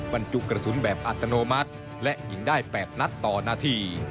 บรรจุกระสุนแบบอัตโนมัติและยิงได้๘นัดต่อนาที